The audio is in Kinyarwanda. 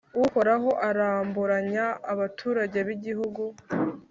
Uhoraho araburanya abaturage b’igihugu,